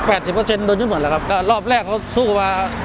แปดสิบเปอร์เซ็นต์โดยทุกหมดแหละครับก็รอบแรกเขาสู้ว่า